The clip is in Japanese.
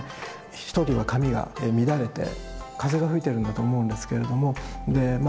１人は髪が乱れて風が吹いてるんだと思うんですけれどもでまあ